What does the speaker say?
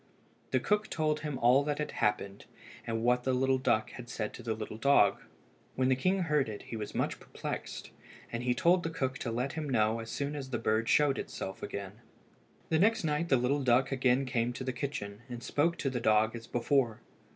The cook told him all that had happened, and what the duck had said to the little dog. When the king heard it he was much perplexed, and he told the cook to let him know as soon as the bird showed itself again. The next night the little duck again came to the kitchen, and spoke to the dog as before.